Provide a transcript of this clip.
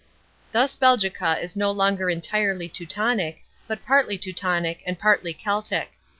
Thus Belgica is no longer entirely Teutonic, but partly Teutonic and partly Celtic.